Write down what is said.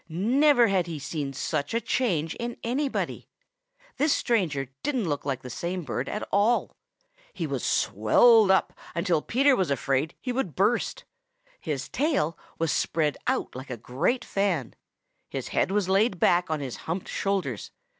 Never had he seen such a change in anybody. This stranger didn't look like the same bird at all. He was swelled up until Peter was afraid he would burst. His tail was spread out like a great fan. His head was laid back on his humped shoulders.